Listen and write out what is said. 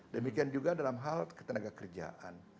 demikian juga dalam hal ketenagakerjaan